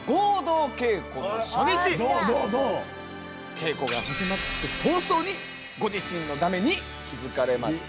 稽古が始まって早々にご自身のだめに気付かれました。